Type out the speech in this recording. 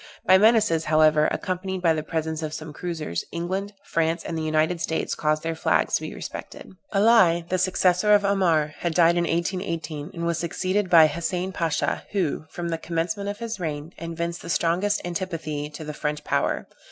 By menaces, however, accompanied by the presence of some cruisers, England, France, and the United States caused their flags to be respected. Ali, the successor of Amar, had died in 1818, and was succeeded by Hassein Pasha, who, from the commencement of his reign, evinced the strongest antipathy to the French power.